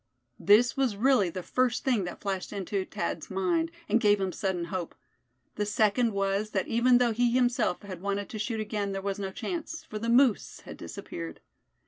This was really the first thing that flashed into Thad's mind, and gave him sudden hope. The second was that even though he himself had wanted to shoot again, there was no chance, for the moose had disappeared.